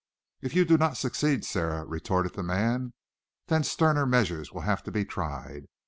"If you do not succeed, Sara," retorted the man, "then sterner measures will have to be tried.